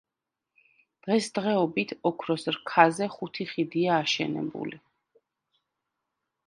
დღესდღეობით, ოქროს რქაზე ხუთი ხიდია აშენებული.